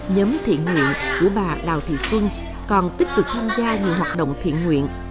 nhóm thiện nguyện của bà đào thị xuân còn tích cực tham gia nhiều hoạt động thiện nguyện